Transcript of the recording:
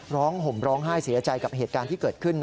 ห่มร้องไห้เสียใจกับเหตุการณ์ที่เกิดขึ้น